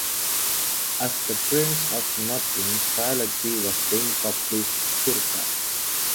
As "The Prince of Nothing" trilogy was being published circa.